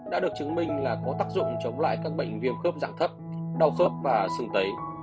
đã được chứng minh là có tác dụng chống lại các bệnh viêm khớp dạng thấp đau khớp và sừng tấy